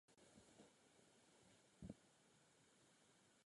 Nyní ženy vstupují na trh práce.